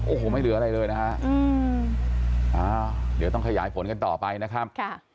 โอ้โหไม่เหลืออะไรเลยนะฮะเดี๋ยวต้องขยายผลกันต่อไปนะครับ